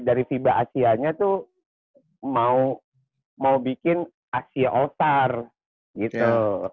dari fiba asianya tuh mau bikin asia all star gitu